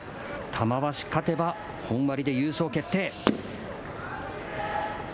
玉鷲勝てば、本割で優勝決定。